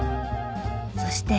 そして